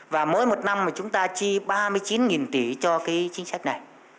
và mỗi một năm chúng ta chi ba mươi chín tỷ cho chính sách này